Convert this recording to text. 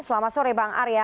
selamat sore bang arya